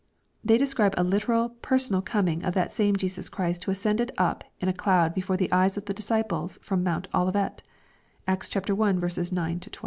They describe a literal, per sonal coming of that same Jesus Christ who ascended up in a cloud before the eyes of the disciples from Mount Olivet (Acts L 9 12.)